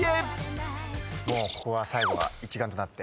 もうここは最後は一丸となって。